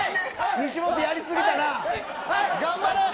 西本やり過ぎたな。